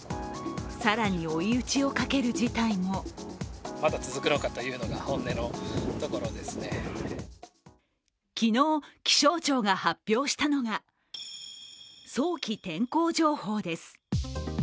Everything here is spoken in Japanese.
更に追い打ちをかける事態も昨日、気象庁が発表したのが早期天候情報です。